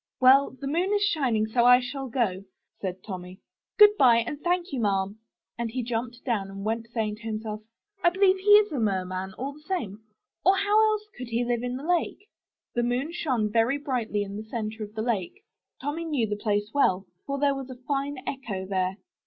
Well, the moon is shining, so I shall go," said Tommy. *'Good by, and thank you, Ma'am;" and he jumped down and went, saying to himself, *'I believe he is a merman, all the same, or else how could he live in the lake?" The moon shone very brightly on the center of the lake. Tommy knew the place well, for there was a fine echo there.